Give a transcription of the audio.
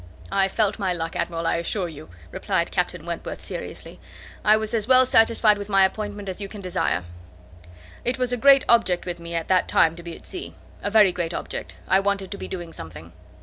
"I felt my luck, Admiral, I assure you;" replied Captain Wentworth, seriously. "I was as well satisfied with my appointment as you can desire. It was a great object with me at that time to be at sea; a very great object, I wanted to be doing something."